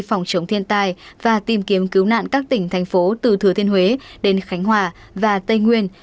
phòng chống thiên tai và tìm kiếm cứu nạn các tỉnh thành phố từ thừa thiên huế đến khánh hòa và tây nguyên